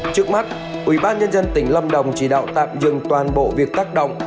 trước mắt ủy ban nhân dân tỉnh lâm đồng chỉ đạo tạm dừng toàn bộ việc tác động